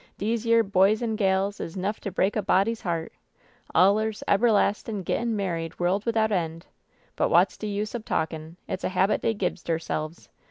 "Dese yere boys an' gals is 'nough to break a body's heart ! AUers, eber lastin' gettin' married world without end! But wot's de use ob talkin'? It's a habit dey gibs deirse'ves!